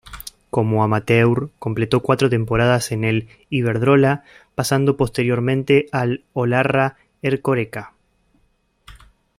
Como amateur completó cuatro temporadas en el Iberdrola, pasando posteriormente al Olarra-Ercoreca.